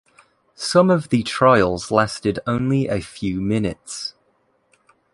Some of the "trials" lasted only a few minutes.